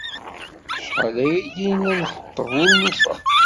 Acḥal ayagi i la nxeṭṭeb ur nufa.